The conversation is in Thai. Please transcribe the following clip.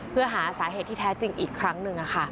เพื่อหาสาเหตุที่แท้จริงอีกครั้งหนึ่ง